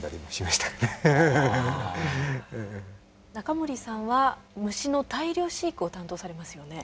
仲盛さんは虫の大量飼育を担当されますよね。